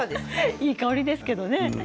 いい香りですけどね。